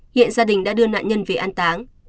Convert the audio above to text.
hiện gia đình đã đưa nạn nhân về an táng